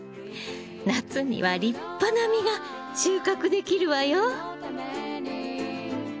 夏には立派な実が収穫できるわよ。